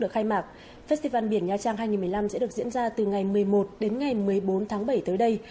khai mạc festival biển nha trang hai nghìn một mươi năm sẽ được diễn ra từ ngày một mươi một đến ngày một mươi bốn tháng bảy tới đây